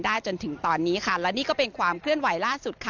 จนถึงตอนนี้ค่ะและนี่ก็เป็นความเคลื่อนไหวล่าสุดค่ะ